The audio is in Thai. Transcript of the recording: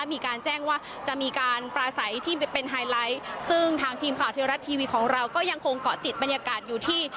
มีการแจ้งว่าจะมีการปลาใสที่เป็นไฮไลท์ซึ่งทางทีมข่าวเทวรัฐทีวีของเราก็ยังคงเกาะติดบรรยากาศอยู่ที่